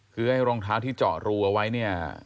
คือไอ้รองเท้าที่เจาะรูเอาไว้เนี่ย